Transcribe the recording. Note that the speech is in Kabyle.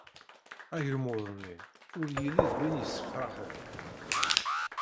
Agmuḍ-nni ur yelli d win yessefraḥen.